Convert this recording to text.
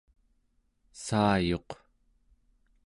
saayuq